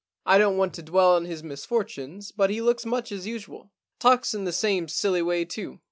I don't want to dwell on his misfortunes, but he looks much as usual. Talks in the same silly way too.